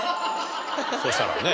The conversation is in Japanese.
そうしたらね。